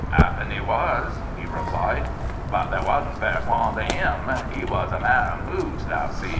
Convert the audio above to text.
" Happen he was/* he replied, but they wasn*t vara fond o* *im. He was a man o* moods, thou sees.